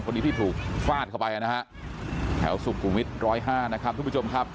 คนนี้ที่ถูกฟาดเข้าไปนะฮะแถวสุขุมวิทย์๑๐๕นะครับทุกผู้ชมครับ